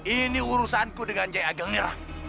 ini urusanku dengan jaya ageng nira